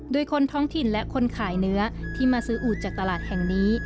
โดยคนท้องถิ่นและคนขายเนื้อที่มาซื้ออูดจากตลาดแห่งนี้